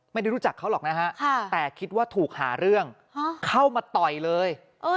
ไม่ได้รู้จักเขาหรอกนะฮะแต่คิดว่าถูกหาเรื่องเข้ามาต่อยเลย